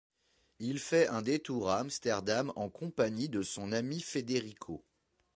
Il fait un détour à Amsterdam en compagnie de son ami Federico.